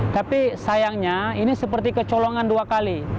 tapi sayangnya ini seperti kecolongan dua kali